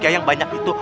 ya yang banyak itu